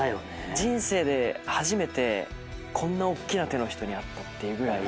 人生で初めてこんなおっきな手の人に会ったっていうぐらい。